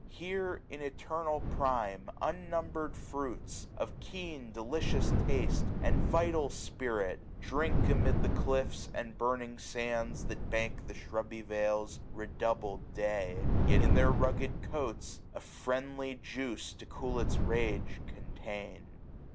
Here, in eternal prime, UnnumberM fruits, of keen delicious taste And vital spirit, drink amid the cliffs. And burning sands that bank the shrubby vales, 660 Redoubled day ; yet in their rugged coats A friendly juice to cool its rage contain.